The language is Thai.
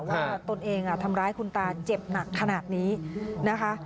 ตนเองทำร้ายคุณตาเจ็บหนักขนาดนี้นะคะ